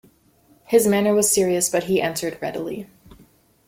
His manner was serious, but he answered readily.